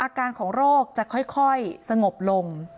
อาการของโรคจะค่อยสงบลง